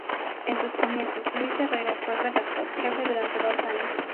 En sus comienzos, Luis Herrero fue redactor-jefe durante dos años.